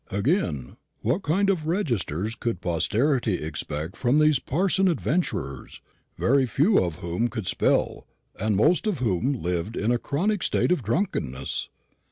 Again, what kind of registers could posterity expect from these parson adventurers, very few of whom could spell, and most of whom lived in a chronic state of drunkenness?